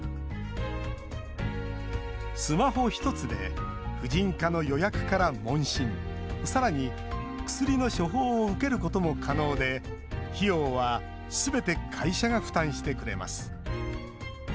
スマホ１つで婦人科の予約から問診さらに薬の処方を受けることも可能で費用はすべて会社が負担してくれます。